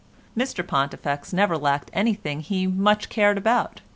Mr Pontifex never lacked anything he much cared about.